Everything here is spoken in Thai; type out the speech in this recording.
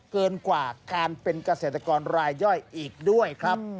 เกินกว่าการเป็นเกษตรกรรายย่อยอีกด้วยครับ